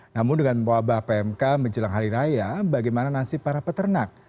namun dengan wabah pmk menjelang hari raya bagaimana nasib para peternak